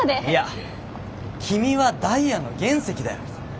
いや君はダイヤの原石だよ。